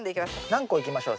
何個いきましょう？